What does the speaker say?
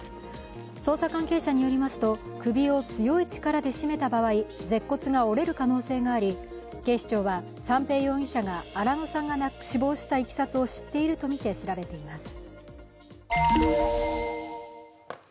捜査関係者によりますと首を強い力で絞めた場合、舌骨が折れる可能性があり、警視庁は三瓶容疑者が新野さんが死亡したいきさつを知っているとみて調べています。